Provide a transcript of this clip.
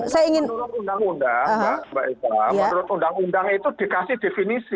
menurut undang undang mbak eva menurut undang undang itu dikasih definisi